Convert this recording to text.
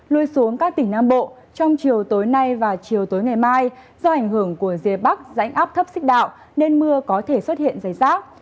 lui xuống các tỉnh nam bộ trong chiều tối nay và chiều tối ngày mai do ảnh hưởng của dây bắc dãnh ấp thấp xích đạo nên mưa có thể xuất hiện dày giác